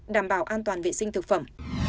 đảm bảo an toàn vệ sinh thực phẩm